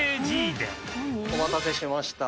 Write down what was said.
お待たせしました。